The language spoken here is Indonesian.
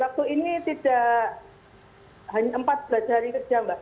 waktu ini tidak hanya empat berat dari kerja mbak